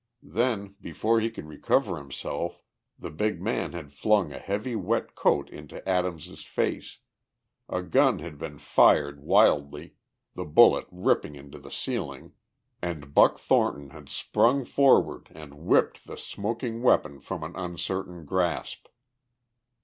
Then, before he could recover himself the big man had flung a heavy wet coat into Adams's face, a gun had been fired wildly, the bullet ripping into the ceiling, and Buck Thornton had sprung forward and whipped the smoking weapon from an uncertain grasp.